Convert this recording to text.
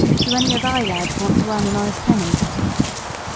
do any o' thy lads want to earn an honest penny?"